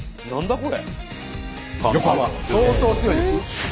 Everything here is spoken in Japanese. これ。